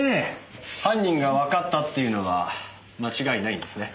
犯人がわかったっていうのは間違いないんですね？